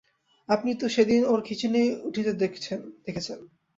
আপনিই তো সেদিন ওর খিঁচুনি উঠতে দেখেছেন।